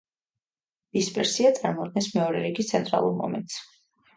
დისპერსია წარმოადგენს მეორე რიგის ცენტრალურ მომენტს.